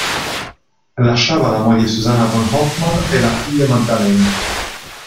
Lasciava la moglie Susanna Von Hoffman e la figlia Maddalena.